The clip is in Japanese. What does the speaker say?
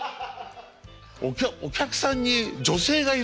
お客さんに女性がいるんですよ。